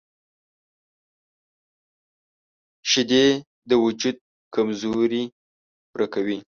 شیدې د وجود کمزوري پوره کوي